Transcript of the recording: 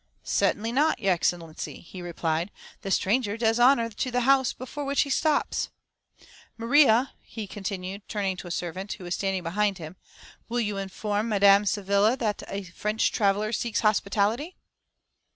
"Certainly not, your Excellency," he replied; "the stranger does honour to the house before which he stops." "Maria," he continued, turning to a servant, who was standing behind him, "will you inform Madame Savilia that a French traveller seeks hospitality?"